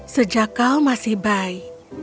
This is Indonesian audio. sejak kau masih bayi